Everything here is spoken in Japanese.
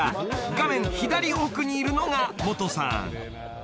画面左奥にいるのがモトさん］